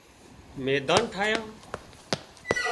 ميڌان ٺاهيان